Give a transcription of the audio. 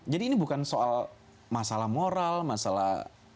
jadi ini bukan soal masalah moral masalah